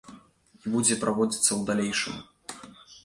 І будзе праводзіцца ў далейшым.